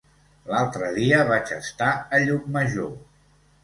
L'altre dia vaig estar a Llucmajor.